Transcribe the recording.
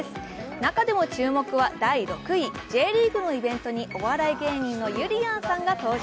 中でも注目は第６位、Ｊリーグのイベントにお笑い芸人のゆりやんさんが登場。